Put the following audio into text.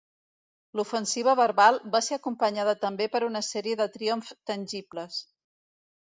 L'ofensiva verbal va ser acompanyada també per una sèrie de triomfs tangibles.